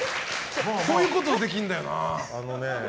こういうことできるんだよな。